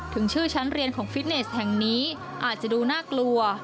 ถึงชื่อชั้นเรียนของฟิตเนสแห่งนี้อาจจะดูน่ากลัว